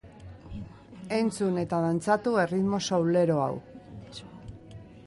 Entzun eta dantzatu erritmo soulero hau!